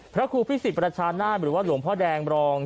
พระครูพิสิทธิประชานาศหรือว่าหลวงพ่อแดงรอง